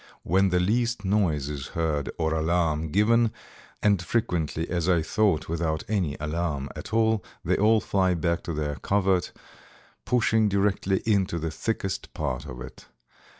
When the least noise is heard or alarm given, and frequently, as I thought, without any alarm at all, they all fly back to their covert, pushing directly into the thickest part of it.